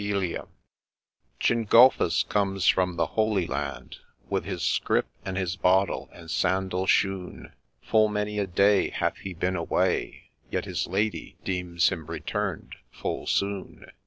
r^ ENGULPHUS comes from the Holy Land, VJT With his scrip, and his bottle, and sandal shoon ; Full many a day hath he been away, Yet his lady deems him return'd full soon.